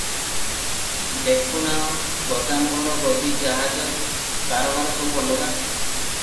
ଦେଖୁନାହଁ, ଗୋଦାମ ଘର-ଗଦି-ଜାହାଜ-କାରବାର ସବୁ ଅଲଗା ।